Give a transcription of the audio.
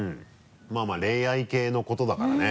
まぁまぁ恋愛系のことだからね。